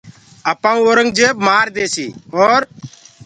آپآئونٚ اورنٚگجيب مآرديسيٚ اور